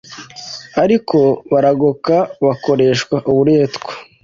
ariko baragoka bakoreshwa uburetwa